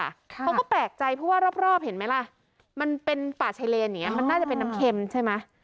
เขาก็แปลกใจเพราะว่ารอบเห็นไหมล่ะมันเป็นป่าชายเลนอย่างนี้มันน่าจะเป็นน้ำเค็มใช่ไหม